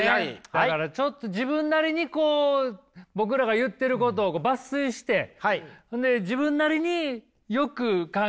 だからちょっと自分なりにこう僕らが言ってることを抜粋してほんで自分なりによく考えて。